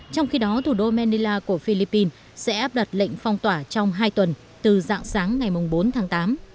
trong khi đó thủ đô manila của philippines sẽ áp đặt lệnh phong tỏa trong hai tuần từ dạng sáng ngày bốn tháng tám